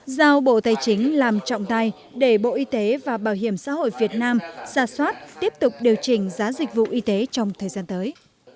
giao bộ tài chính làm trọng tay để bộ y tế và bảo hiểm xã hội việt nam xa xoát tiếp tục điều chỉnh giá dịch vụ y tế trong thời gian tới